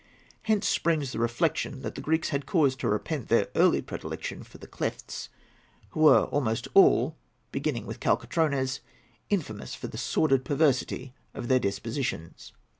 Hence springs the reflection that the Greeks had cause to repent their early predilection for the klephts, who were almost all, beginning with Kolokotrones, infamous for the sordid perversity of their dispositions."